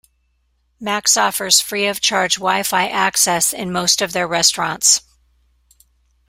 Max offers free of charge WiFi access in most of their restaurants.